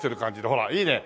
ほらいいね。